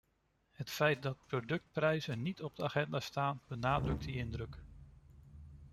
Het feit dat productprijzen niet op de agenda staan, benadrukt die indruk.